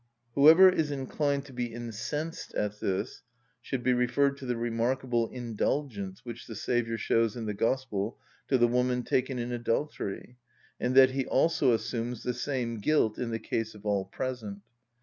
Whoever is inclined to be incensed at this should be referred to the remarkable indulgence which the Saviour shows in the Gospel to the woman taken in adultery, in that He also assumes the same guilt in the case of all present.